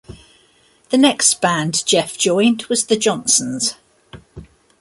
The next band Jeff joined was The Johnsons.